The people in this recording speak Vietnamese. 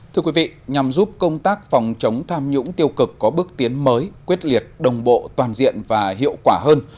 thưa quý vị nhằm giúp công tác phòng chống tham nhũng tiêu cực có bước tiến mới quyết liệt đồng bộ toàn diện và hiệu quả hơn